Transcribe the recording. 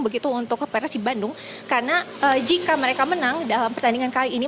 begitu untuk persib bandung karena jika mereka menang dalam pertandingan kali ini